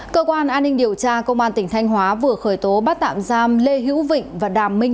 cơ quan an ninh điều tra công an tỉnh thanh hóa vừa khởi tố bắt tạm giam lê hữu vịnh và đàm minh